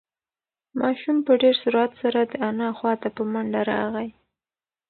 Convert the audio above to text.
ماشوم په ډېر سرعت سره د انا خواته په منډه راغی.